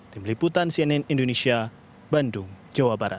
tim liputan cnn indonesia bandung jawa barat